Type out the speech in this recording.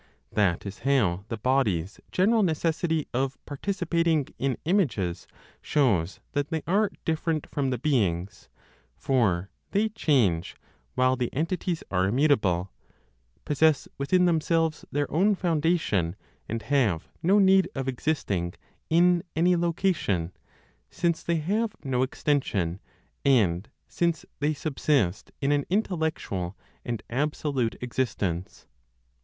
That is how the bodies' general necessity of participating in images shows that they are different from the beings; for they change, while the entities are immutable, possess within themselves their own foundation, and have no need of existing in any location, since they have no extension, and since they subsist in an intellectual and absolute existence.